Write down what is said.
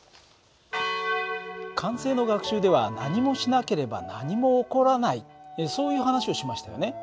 慣性の学習では何もしなければ何も起こらないそういう話をしましたよね。